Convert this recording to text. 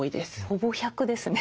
ほぼ１００ですね。